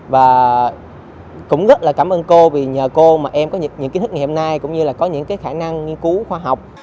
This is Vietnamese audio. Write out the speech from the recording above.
và cũng rất là cảm ơn cô vì nhờ cô mà em có những kiến thức ngày hôm nay cũng như là có những cái khả năng nghiên cứu khoa học